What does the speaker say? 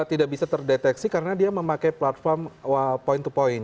tidak bisa terdeteksi karena dia memakai platform point to point